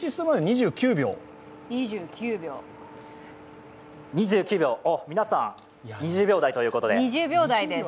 ２９秒、皆さん２０秒台ということで。